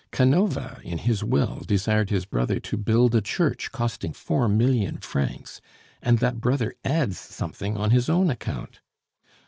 Canova, in his will, desired his brother to build a church costing four million francs, and that brother adds something on his own account.